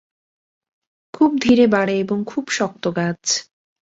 খুব ধীরে বাড়ে এবং খুব শক্ত গাছ।